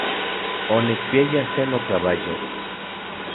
Onikpiaya se nokabayo.